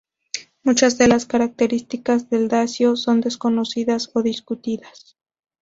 Muchas de las características del dacio son desconocidas o discutidas.